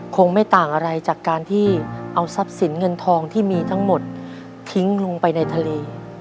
คงไม่ต่างอะไรจากการที่เอาทรัพย์สินเงินทองที่มีทั้งหมดทิ้งลงไปในทะเล